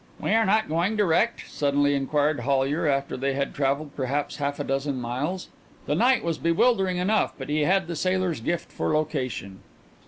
"We are not going direct?" suddenly inquired Hollyer, after they had travelled perhaps half a dozen miles. The night was bewildering enough but he had the sailor's gift for location.